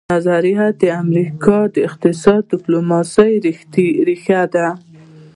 دا نظریه د امریکا د اقتصادي ډیپلوماسي ریښه ده